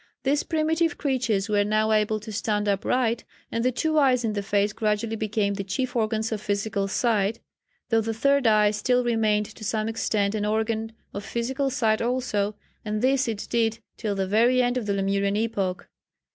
These primitive creatures were now able to stand upright, and the two eyes in the face gradually became the chief organs of physical sight, though the third eye still remained to some extent an organ of physical sight also, and this it did till the very end of the Lemurian epoch.